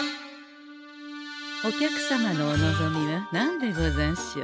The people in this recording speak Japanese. お客様のお望みは何でござんしょう？